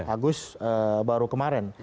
agus baru kemarin